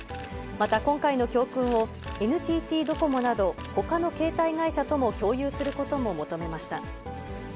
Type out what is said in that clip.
また今回の教訓を、ＮＴＴドコモなどほかの携帯会社とも共有することも求めました。